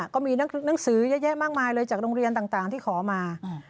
ก็มีหนังสือเยอะแยะมากมายเลยจากโรงเรียนต่างที่ขอมา